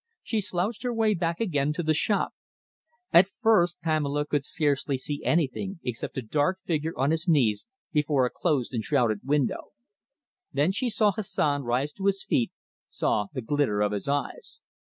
She slouched her way back again into the shop. At first Pamela could scarcely see anything except a dark figure on his knees before a closed and shrouded window. Then she saw Hassan rise to his feet, saw the glitter of his eyes.